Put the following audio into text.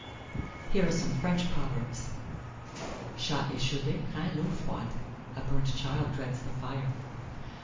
Here are some French proverbs: "Chat échaudé craint l'eau froide." (A burnt child dreads the fire.)